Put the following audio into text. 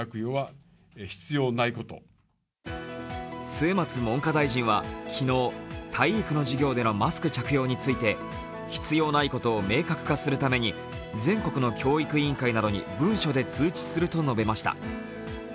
末松文科大臣は昨日体育の授業でのマスク着用について必要ないことを明確化するために全国の教育委員会などに文書で通知すると述べました。